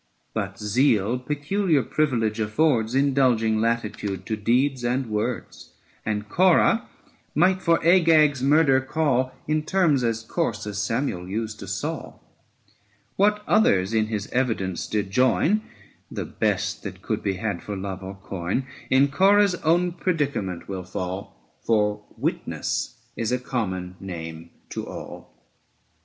But zeal peculiar privilege affords, Indulging latitude to deeds and words: 675 And Corah might for Agag's murder call, In terms as coarse as Samuel used to Saul. What others in his evidence did join, The best that could be had for love or coin, In Corah's own predicament will fall, 680 For Witness is a common name to all.